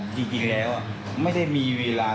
จริงแล้วไม่ได้มีเวลา